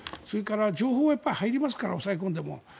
それから情報が入ってきますから抑え込んでも。